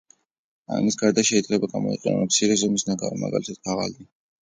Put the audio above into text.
ამის გარდა შეიძლება გამოიყენონ მცირე ზომის ნაგავი, მაგალითად ქაღალდი.